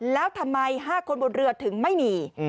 แล้วทำไม๕คนบนเรือถึงไม่มี